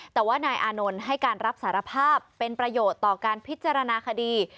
แต่ว่านายอานนท์ให้การรับสารภาพเป็นประโยชน์ต่อการพิจารณาคดี